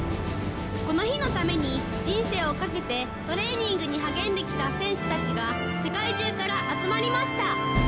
この日のために人生をかけて、トレーニングに励んできた選手たちが世界中から集まりました。